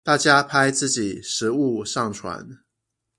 大家拍自己食物上傳